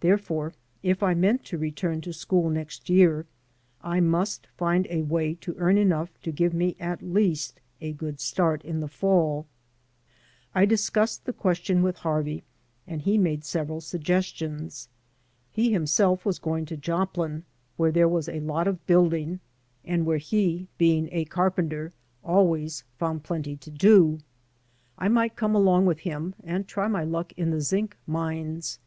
Therefore, if I meant to return to school next year I must find a way to earn enough to give me at least a good start in the fall. I discussed the question with Harvey and he made several suggestions. He himself was going to Joplin, where there was a lot of building and where he» 256 THE ROMANCE OF READJUSTMENT being a carpenter, always found plenty to do. I might come along with him, and try my luck in the zinc mines.